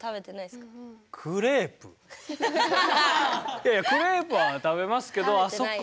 いやいやクレープは食べますけどあそこ原宿ではないかも。